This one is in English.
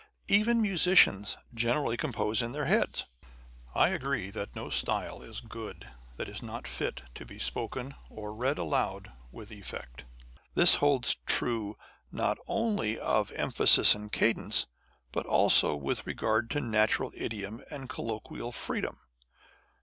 Even musicians generally compose in their heads. I agree that no style is good that is not fit to be spoken or read aloud with effect. This holds true not only of emphasis and cadence, but also with regard to natural idiom and colloquial freedom.